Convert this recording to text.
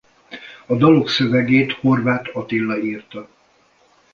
A dalok szövegét Horváth Attila írta.